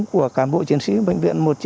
của cán bộ chiến sĩ bệnh viện một trăm chín mươi